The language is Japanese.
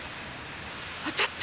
当たった！